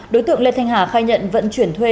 đối tượng lê thanh hà khai nhận vận chuyển thuê